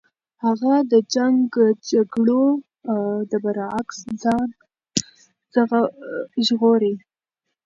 هغه د جنګ جګړو د برعکس ځان ژغوري.